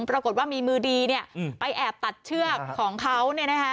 ปรากฏว่ามีมือดีไปแอบตัดเชือกของเขา